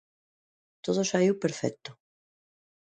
Todo saíu perfecto.